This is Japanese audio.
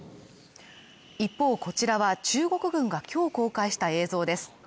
一方こちらは中国軍が今日公開した映像です。